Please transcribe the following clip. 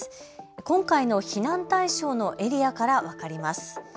今回の避難対象のエリアから分かります。